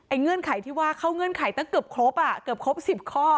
เงื่อนไขที่ว่าเข้าเงื่อนไขตั้งเกือบครบอ่ะเกือบครบ๑๐ข้อ